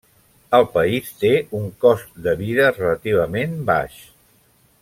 El país té un cost de vida relativament baix.